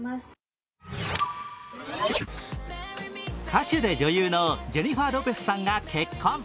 歌手で女優のジェニファー・ロペスさんが結婚。